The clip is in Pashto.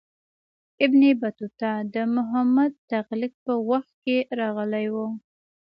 ابن بطوطه د محمد تغلق په وخت کې راغلی و.